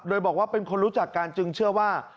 โดยบอกว่าเป็นคนรู้จักกันจึงเชื่อว่า